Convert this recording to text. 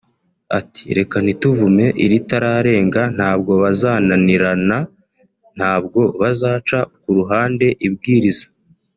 Ati ”Reka ntituvume iritararenga ntabwo bazananirana ntabwo bazaca ku ruhande ibwiriza